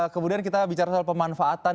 kemudian kita bicara soal pemanfaatan